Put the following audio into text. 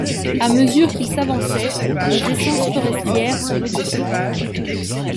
À mesure qu’ils s’avançaient, les essences forestières se modifiaient.